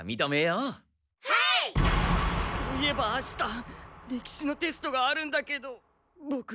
そういえばあした歴史のテストがあるんだけどボク